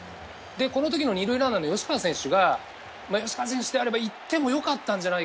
この時の２塁ランナーの吉川選手が吉川選手であればいってもよかったと。